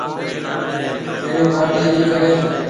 اھڙِي ٻاٽِي رَي ڪري۔